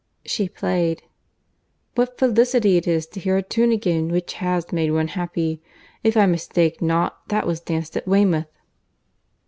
She played. "What felicity it is to hear a tune again which has made one happy!—If I mistake not that was danced at Weymouth."